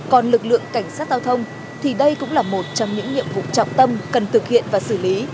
còn lực lượng cảnh sát giao thông thì đây cũng là một trong những nhiệm vụ trọng tâm cần thực hiện và xử lý